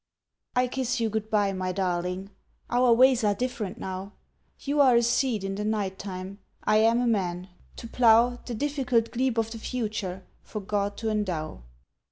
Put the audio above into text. I kiss you good bye, my darling, Our ways are different now; You are a seed in the night time, I am a man, to plough The difficult glebe of the future For God to endow.